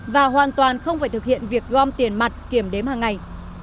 và hoàn toàn không phải thực hiện việc gom tiền mặt kiểm đếm hàng ngày